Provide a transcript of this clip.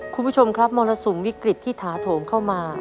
คุณผู้ชมครับมรสุมวิกฤตที่ถาโถมเข้ามา